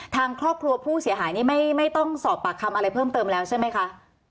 ทางครอบครัวผู้เสียหายนี่ไม่ต้องสอบปากคำอะไรเพิ่มเติมแล้วใช่ไหมคะ